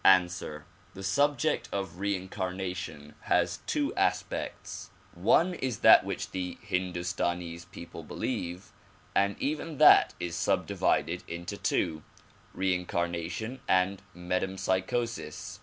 Ansiver: The subject of reincarnation has two aspects. One is that which the Hindastanese people believe, and even that is sub divided into two ;— reincarnation and metempsychosis.